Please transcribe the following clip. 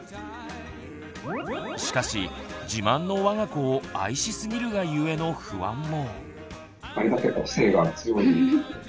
しかし自慢の我が子を愛しすぎるがゆえの不安も。